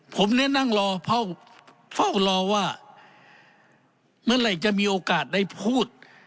ผมเนี่ยนั่งรอเฝ้ารอว่าเมื่อไหร่จะมีโอกาสได้พูด